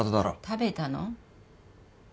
食べたの？